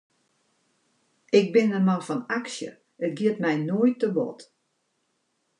Ik bin in man fan aksje, it giet my noait te bot.